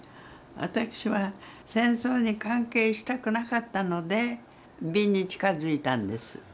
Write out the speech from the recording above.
私は戦争に関係したくなかったので美に近づいたんです。